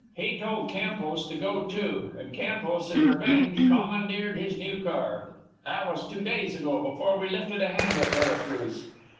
He told Campos to go to. And Campos, in revenge, commandeered his new car. That was two days ago, before we lifted a hand at Vera Cruz.